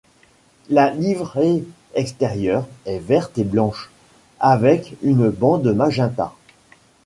La livrée extérieure est verte et blanche, avec une bande magenta.